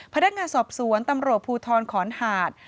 พนักงานสอบสวนตำรวจภูทรขอนหาด